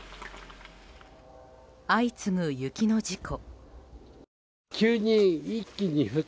相次ぐ雪の事故。